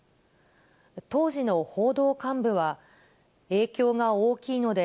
当時の報道幹部は、影響が大きいので、